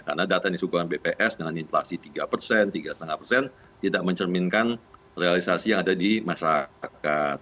karena data yang disukai oleh bps dengan inflasi tiga tiga lima tidak mencerminkan realisasi yang ada di masyarakat